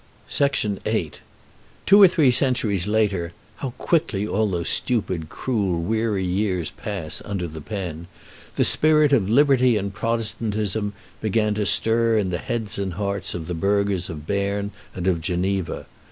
VIII Two or three centuries later how quickly all those stupid, cruel, weary years pass under the pen! the spirit of liberty and protestantism began to stir in the heads and hearts of the burghers of Berne and of Geneva.